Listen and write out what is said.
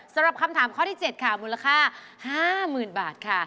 สำหรับคำถามข้อที่๗ค่ะมูลค่า๕๐๐๐บาทค่ะ